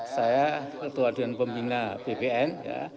saya ketua adunan pembina bpn ya